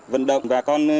vận động bà con